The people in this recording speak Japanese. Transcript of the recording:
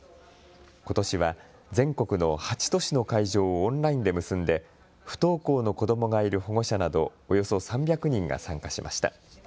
ことしは全国の８都市の会場をオンラインで結んで不登校の子どもがいる保護者などおよそ３００人が参加しました。